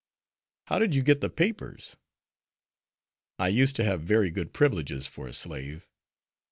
"How did you get the papers?" "I used to have very good privileges for a slave.